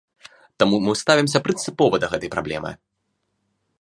Таму мы ставімся прынцыпова да гэтай праблемы.